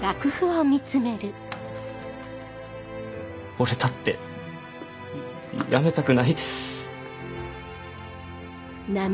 俺だってやめたくないです。